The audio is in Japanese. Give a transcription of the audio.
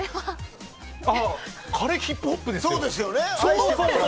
カレーヒップホップですよ。